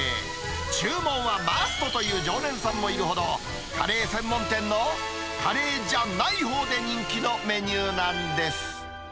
注文はマストという常連さんもいるほど、カレー専門店のカレーじゃないほうで人気のメニューなんです。